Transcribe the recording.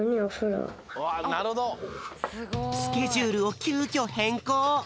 スケジュールをきゅうきょへんこう。